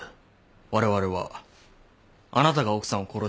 われわれはあなたが奥さんを殺したものとみています。